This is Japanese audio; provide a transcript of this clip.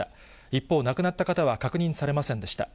一方、亡くなった方は確認されませんでした。